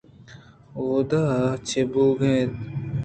* اود ءَ چے بوگ ءَ اَت؟